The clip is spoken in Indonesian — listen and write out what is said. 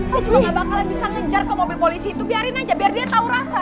gue juga gak bakalan bisa ngejar ke mobil polisi itu biarin aja biar dia tahu rasa